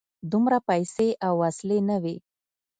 دومره پیسې او وسلې نه وې.